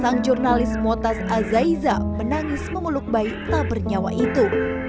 sang jurnalis motaz azaiza menangis memeluk bayi tak bernyawa itu